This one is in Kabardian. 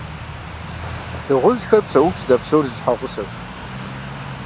Дыгъужьхэр псэуху зыдэпсэур зы щхьэгъусэщ.